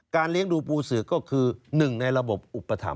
การเลี้ยงดูปูศึกก็คือหนึ่งในระบบอุปถรรม